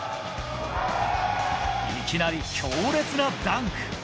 いきなり強烈なダンク。